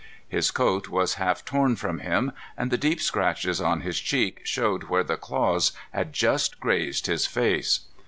His coat was half torn from him, and the deep scratches on his cheek showed where the claws had just grazed his face.